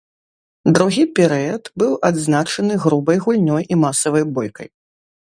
Другі перыяд быў адзначаны грубай гульнёй і масавай бойкай.